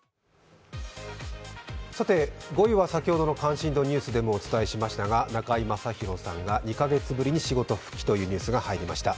さて、５位は関心度ニュースでもお伝えしましたが、中居正広さんが２か月ぶりに仕事復帰というニュースが入りました。